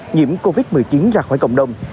nhiễm covid một mươi chín ra khỏi cộng đồng